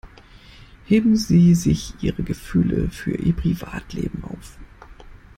Heben Sie sich Ihre Gefühle für Ihr Privatleben auf!